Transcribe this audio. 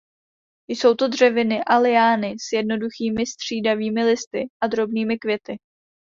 Jsou to dřeviny a liány s jednoduchými střídavými listy a drobnými květy.